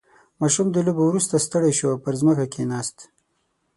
• ماشوم د لوبو وروسته ستړی شو او پر ځمکه کښېناست.